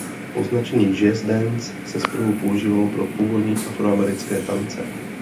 Označení jazz dance se zprvu používalo pro původní afroamerické tance.